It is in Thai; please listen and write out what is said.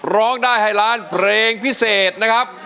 ร้องได้ให้ล้านเพลงพิเศษนะครับ